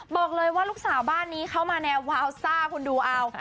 บอกเลยว่าลูกสาวบ้านนี้เข้ามาแนววาวซ่าคุณดูเอา